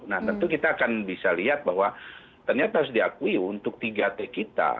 nah tentu kita akan bisa lihat bahwa ternyata harus diakui untuk tiga t kita